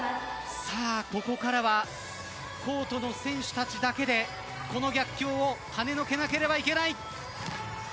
ここからはコートの選手たちだけでこの逆境を跳ね除けなければいけない。